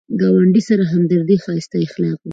ګاونډي سره همدردي ښایسته اخلاق دي